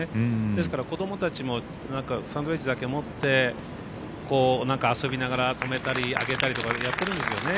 ですから子供たちもサンドウエッジだけ持って遊びながら止めたり上げたりとかをやってるんですよね